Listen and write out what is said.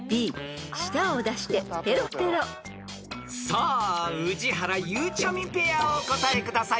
［さあ宇治原・ゆうちゃみペアお答えください］